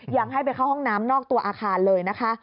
ยังให้ไปเข้าห้องน้ำนอกตัวอาคารเลยนะคะ